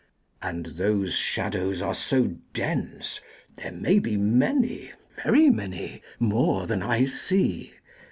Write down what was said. And those shadows are so dense, There may be Many—very many—more Than I see.